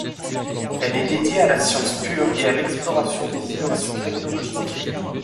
Elle est dédiée à la science pure et à l'exploration des innovations technologiques.